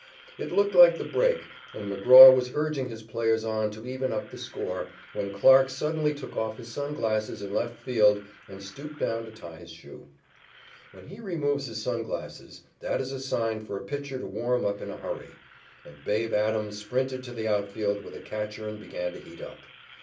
It looked like the "break," and McGraw was urging his players on to even up the score, when Clarke suddenly took off his sun glasses in left field and stooped down to tie his shoe. When he removes his sun glasses that is a sign for a pitcher to warm up in a hurry, and "Babe" Adams sprinted to the outfield with a catcher and began to heat up.